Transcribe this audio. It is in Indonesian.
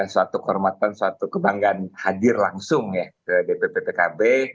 suatu kehormatan suatu kebanggaan hadir langsung ya ke dpp pkb